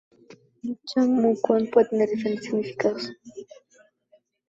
El Chang Moo Kwan puede tener diferentes significados.